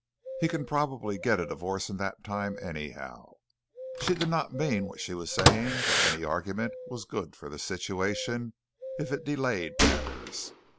He can probably get a divorce in that time, anyhow." She did not mean what she was saying, but any argument was good for the situation, if it delayed matters.